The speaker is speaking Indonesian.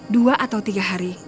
dua atau tiga hari